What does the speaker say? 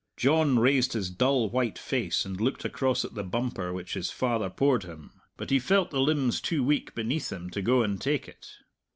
John raised his dull, white face and looked across at the bumper which his father poured him. But he felt the limbs too weak beneath him to go and take it.